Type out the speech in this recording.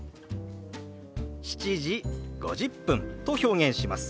「７時５０分」と表現します。